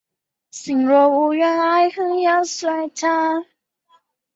齿状鞭打绣球为玄参科鞭打绣球属下的一个变种。